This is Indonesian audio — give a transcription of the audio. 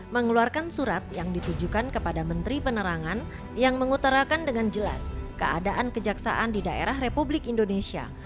mengeluarkan surat yang ditujukan kepada menteri penerangan yang mengutarakan dengan jelas keadaan kejaksaan di daerah republik indonesia